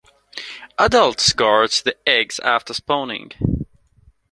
Adults guard the eggs after spawning.